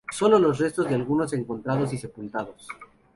Sólo los restos de algunos encontrados y sepultados.